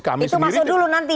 itu masuk dulu nanti